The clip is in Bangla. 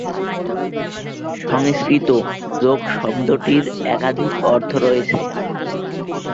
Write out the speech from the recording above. সংস্কৃত "যোগ" শব্দটির একাধিক অর্থ রয়েছে।